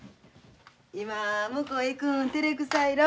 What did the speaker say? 今向こうへ行くんてれくさいろ。